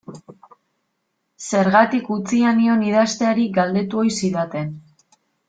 Zergatik utzia nion idazteari galdetu ohi zidaten.